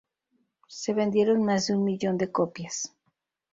Se vendieron más de un millón de copias.